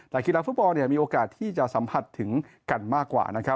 แต่กีฬาฟุตบอลมีโอกาสที่จะสัมผัสถึงกันมากกว่า